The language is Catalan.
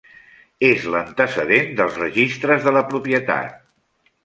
És l'antecedent dels registres de la Propietat.